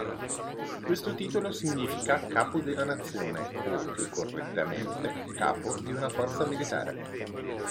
Questo titolo significa "capo della nazione" o, più correttamente, "capo di una forza militare".